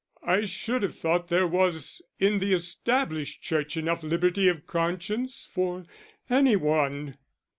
I should have thought there was in the Established Church enough liberty of conscience for any one."